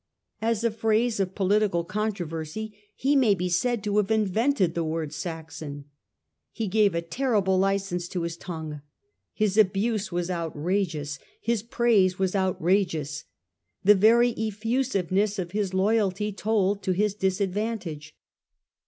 As a phrase of political controversy, he may be said to have invented the word ' Saxon.' He gave a terrible licence to his tongue. His abuse was outrageous ; his praise was outrageous. The very effusiveness of his loyalty told to his disadvantage.